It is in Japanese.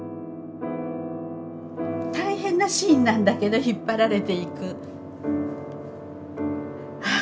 大変なシーンなんだけど引っ張られていくああ